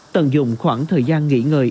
tận dụng khoảng thời gian nghỉ ngơi